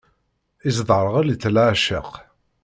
Isderɣel-itt leεceq.